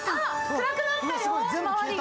暗くなったよ、周りが。